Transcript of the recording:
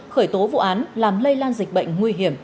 khởi tố vụ án làm lây lan dịch bệnh nguy hiểm